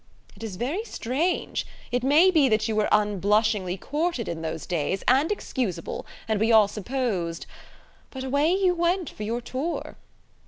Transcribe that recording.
It is very strange. It may be that you were unblushingly courted in those days, and excusable; and we all supposed ... but away you went for your tour."